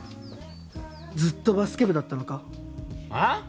ずっとバスケ部だったのか？